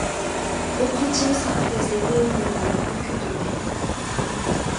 ئۇ قىلچىمۇ ساختىپەزلىكنى ۋە مەغرۇرلۇقنى كۆتۈرمەيدۇ.